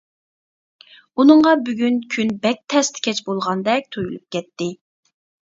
ئۇنىڭغا بۈگۈن كۈن بەك تەستە كەچ بولغاندەك تۇيۇلۇپ كەتتى.